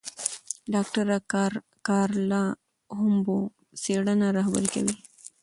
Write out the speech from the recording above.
ډاکټره کارلا هومبو څېړنه رهبري کوي.